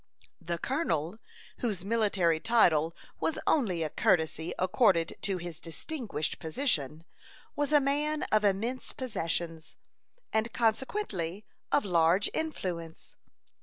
The "colonel," whose military title was only a courtesy accorded to his distinguished position, was a man of immense possessions, and consequently of large influence.